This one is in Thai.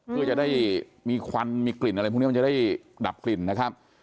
เพื่อจะได้มีควันมีกลิ่นมันจะได้ดับกลิ่นนะฮะ